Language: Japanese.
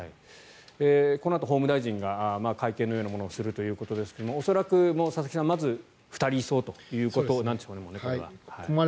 このあと法務大臣が会見のようなものをするということですが恐らく、佐々木さんまず２人移送ということなんでしょうね。